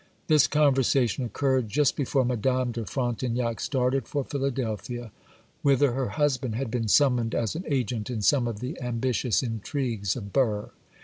This conversation occurred just before Madame de Frontignac started for Philadelphia, whither her husband had been summoned as an agent in some of the ambitious intrigues of Burr.